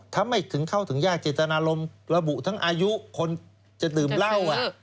ถ้าไม่ถึงเข้าถึงยากเจตนารมณ์ระบุทั้งอายุคนจะดื่มเหล้า